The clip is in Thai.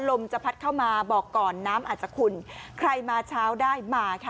ลมจะพัดเข้ามาบอกก่อนน้ำอาจจะขุ่นใครมาเช้าได้มาค่ะ